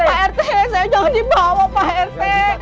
pak rt saya jauh dibawa pak rt